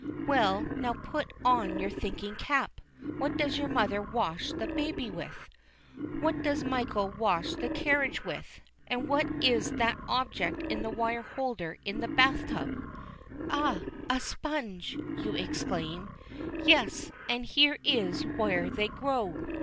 Well, now, put on your thinking cap. What does your mother wash the baby with? What does Michael wash the carriage with? And what is that object in the wire holder in the bath tub? "Ah, a sponge!" you exclaim. Yes, and here is where they grow.